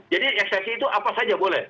jadi eksepsi itu apa saja boleh